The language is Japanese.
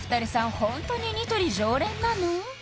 ホントにニトリ常連なの？